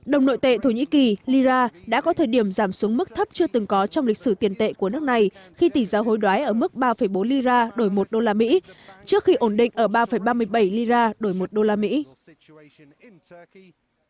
đồng nội tệ thổ nhĩ kỳ lira đã có thời điểm giảm xuống mức thấp chưa từng có trong lịch sử tiền tệ của nước này khi tỷ giá hối đoái ở mức ba bốn lira đổi một đô la mỹ trước khi ổn định ở ba ba mươi bảy lira đổi một đô la mỹ